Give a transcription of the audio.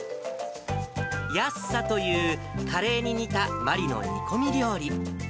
ヤッサという、カレーに似た、マリの煮込み料理。